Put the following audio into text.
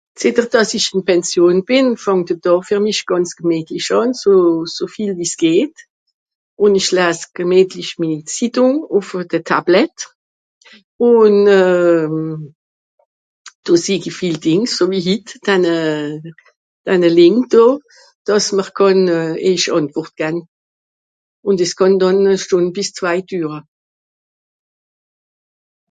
zet'er dàss isch in pension bìn fàngt de daa ver mìch gànz gemìtlich àn so so viel wie's geht un ìsch lass gemìtlich minni zitung ùffe de tablette un euhh do seiji viel dìngs sowie hit danne euh danne lìnk dà dàss m'r kànn eich àntwort gann un des kànn dànn schon bis zwai düre